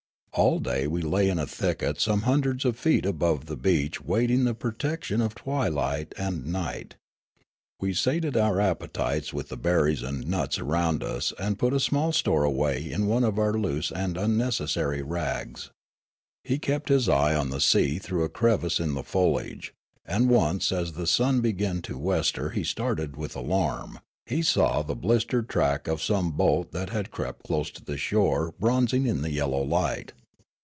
All day we lay in a thicket some hundreds of feet above the beach waiting the protection of twilight and night. We sated our appetites with the berries and nuts around us and put a small store away in one of our loose and unnecessary rags. He kept his eye on the sea through a crevice in the foliage, and once as the sun began to wester he started with alarm ; he saw the blistered track of some boat that had crept close to the shore bronzing in the yellow light.